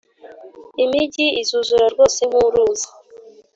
imigi izuzura rwose nk’uruzi